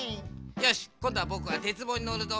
よしこんどはぼくはてつぼうにのるぞ。